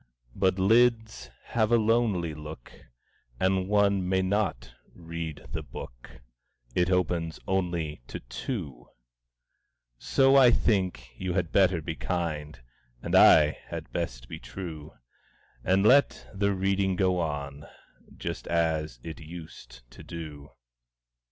But lids have a lonely look, And one may not read the book It opens only to two; So I think you had better be kind, And I had best be true, And let the reading go on, Just as it used to do.